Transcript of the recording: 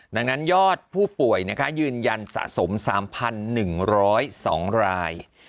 ดังนั้นยอดผู้ป่วยยืนยันสะสม๓๑๐๒ราย